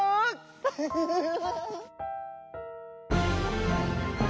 ウフフフフ」。